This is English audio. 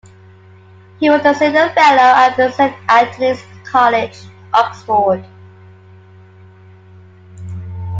He was a Senior Fellow at Saint Antony's College, Oxford.